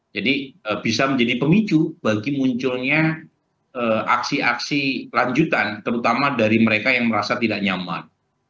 jadi bisa menjadi pemicu bagi munculnya aksi aksi lanjutan terutama dari mereka yang merasa tidak nyaman